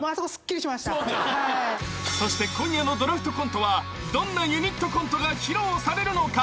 ［そして今夜の『ドラフトコント』はどんなユニットコントが披露されるのか？］